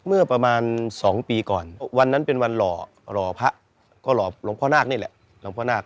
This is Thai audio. เมื่อประมาณ๒ปีก่อนวันนั้นเป็นวันหล่อหล่อพระก็หล่อหลวงพ่อนาคนี่แหละหลวงพ่อนาค